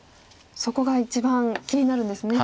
そこが一番気になるんですね。